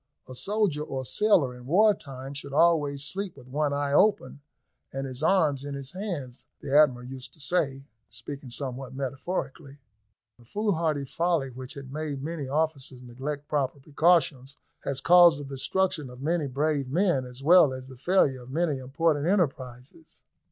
A soldier or sailor in war time should always sleep with one eye open, and his arms in his hands, the Admiral used to say, speaking somewhat metaphorically. The foolhardy folly which had made many officers neglect proper precautions, has caused the destruction of many brave men, as well as the failure of many important enterprises.